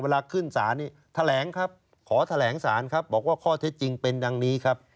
ขึ้นศาลนี่แถลงครับขอแถลงสารครับบอกว่าข้อเท็จจริงเป็นดังนี้ครับ